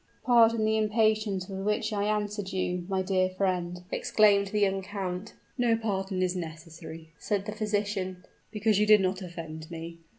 "Pardon the impatience with which I answered you, my dear friend," exclaimed the young count. "No pardon is necessary," said the physician; "because you did not offend me.